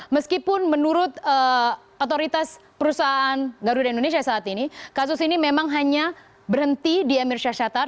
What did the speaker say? meskipun menurut otoritas perusahaan garuda indonesia saat ini kasus ini memang hanya berhenti di emir syahshatar